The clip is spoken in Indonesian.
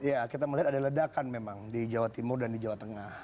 ya kita melihat ada ledakan memang di jawa timur dan di jawa tengah